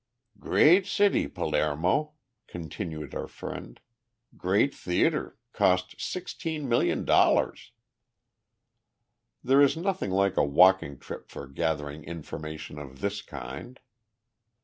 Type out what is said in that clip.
"Great city, Pal aer mo," continued our friend, "great theatre cost sixteen million dollars." There is nothing like a walking trip for gathering information of this kind.